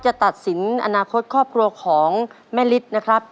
จะตัดสินอนาคตครอบครัวของแม่ฤทธิ์นะครับ